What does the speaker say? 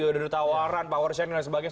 udah ada tawaran power sharing dan sebagainya